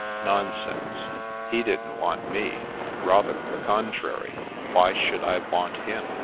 Nonsense; he didn't want me, rather the contrary. Why should I want him?